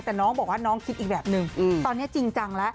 แต่น้องบอกว่าน้องคิดอีกแบบนึง